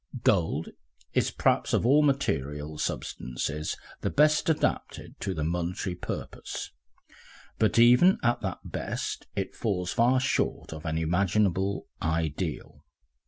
Gold is perhaps of all material substances the best adapted to the monetary purpose, but even at that best it falls far short of an imaginable ideal.